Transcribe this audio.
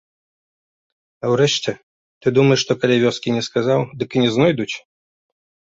А ўрэшце, ты думаеш, што калі вёскі не сказаў, дык і не знойдуць?